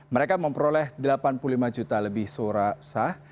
mereka memperoleh delapan puluh lima juta lebih suara sah